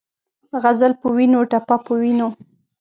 غزل پۀ وینو ، ټپه پۀ وینو